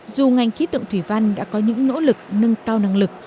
dù ngành khí tượng thủy văn đã có những nỗ lực nâng cao năng lực